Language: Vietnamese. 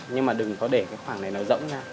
nhưng mà đừng có để cái khoảng này nó rỗng ra